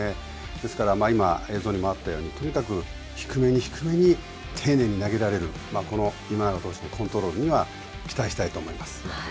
ですから今、映像にもあったように、とにかく低めに低めに、丁寧に投げられる、この今永投手のコントロールには期待したいと思います。